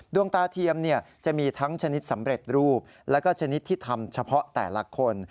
ดวงตาเทียมจะมีทั้งชนิดสำเร็จรูปแล้วก็ชนิดที่ทำเฉพาะแต่ละคน